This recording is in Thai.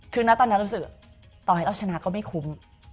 คือนะตอนนั้นรู้สึกต่อให้เราชนะก็ไม่คุ้ม